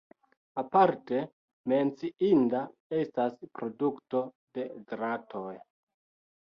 Aparte menciinda estas produkto de dratoj.